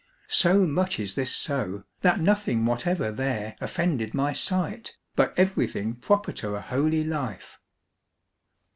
" So much is this so, that nothing whatever there offended my sight, but everything proper to a holy life."